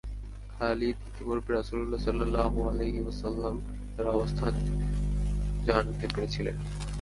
খালিদ ইতোপূর্বে রাসূল সাল্লাল্লাহু আলাইহি ওয়াসাল্লাম-এর অবস্থান জানতে পেরেছিলেন।